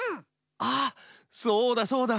ああそうだそうだ！